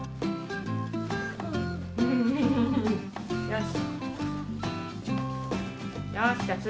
よし。